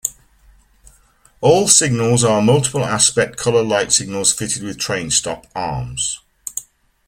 All signals are multiple aspect colour light signals fitted with train stop arms.